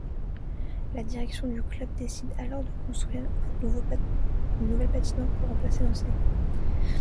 La direction du club décide alors de construire une nouvelle patinoire pour remplacer l'ancienne.